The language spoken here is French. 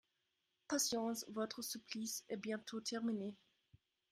Patience, votre supplice est bientôt terminé